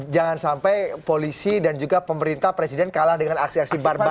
jangan sampai polisi dan juga pemerintah presiden kalah dengan aksi aksi barbar